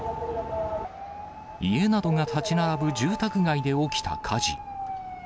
家などが建ち並ぶ住宅街で起きた火事。